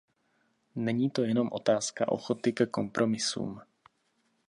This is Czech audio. Není to jenom otázka ochoty ke kompromisům.